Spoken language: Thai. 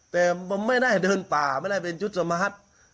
แต่มันไม่ได้เดินป่าไม่ได้เป็นชุดสมฮัท